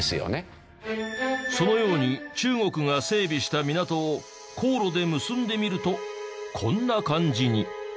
そのように中国が整備した港を航路で結んでみるとこんな感じに。